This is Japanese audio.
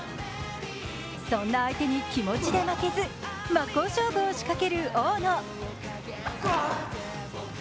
そんな相手に気持ちで負けず真っ向勝負を仕掛ける大野。